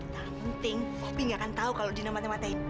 tantang penting opi ga akan tahu kalo dinamatnya matanya